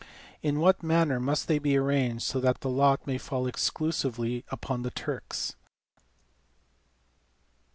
In what manner must they be arranged, so that the lot may fall exclusively upon the Turks